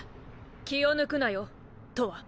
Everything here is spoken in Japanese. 気を抜くなよとわ！